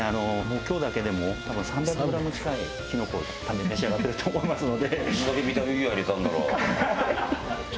今日だけでも多分３００グラム近いキノコを多分召し上がってると思いますので。